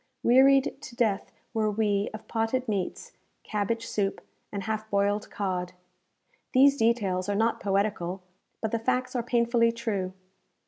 Wearied to death were we of potted meats, cabbage soup, and half boiled cod. These details are not poetical, but the facts are painfully true.